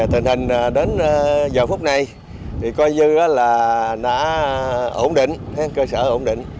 tình hình đến giờ phút này coi dư là đã ổn định cơ sở ổn định